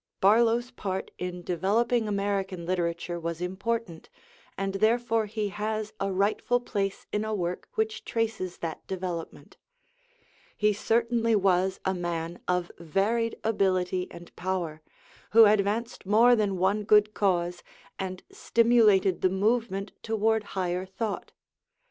Barlow's part in developing American literature was important, and therefore he has a rightful place in a work which traces that development. He certainly was a man of varied ability and power, who advanced more than one good cause and stimulated the movement toward higher thought.